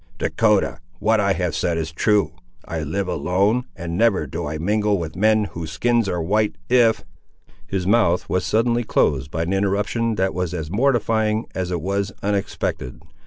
"Dahcotah, what I have said is true. I live alone, and never do I mingle with men whose skins are white, if—" His mouth was suddenly closed by an interruption that was as mortifying as it was unexpected.